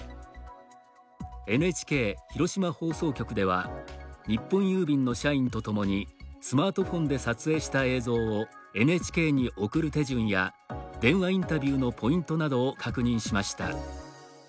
ＮＨＫ広島放送局では日本郵便の社員とともにスマートフォンで撮影した映像をＮＨＫに送る手順や電話インタビューのポイントなどを確認しました。